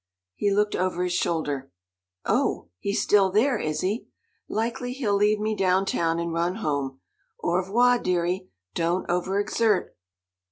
He looked over his shoulder. "Oh! he's still there, is he? Likely he'll leave me down town, and run home. Au revoir, dearie. Don't over exert."